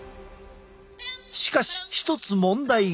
しかし一つ問題が。